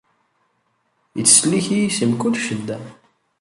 Ittsellik-iyi-d si mkul ccedda.